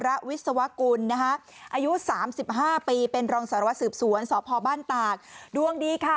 อายุ๓๕ปีเป็นรองสารวัสสืบสวนสพบ้านตากดวงดีค่ะ